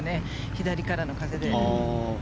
左からの風で。